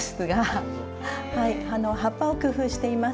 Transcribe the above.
はい葉っぱを工夫しています。